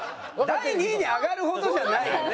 第２位に挙がるほどじゃないよね。